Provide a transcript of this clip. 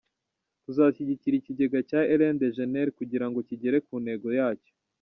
Tuzashyigikira ikigega cya Ellen Degeneres kugira ngo kigere ku ntego yacyo.